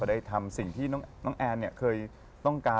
ได้ทำสิ่งที่น้องแอนเคยต้องการ